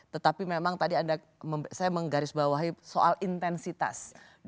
tetapi memang tadi anda saya menggarisbawahi soal intensitas